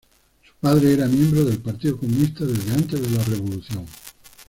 Su padre era miembro del Partido Comunista desde antes de la Revolución.